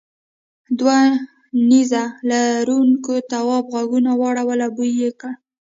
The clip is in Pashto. دوو نیزه لرونکو تواب غوږونه واړول او بوی یې کړ.